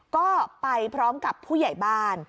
ก็ไปพร้อมกับผู้ใหญ่บ้าน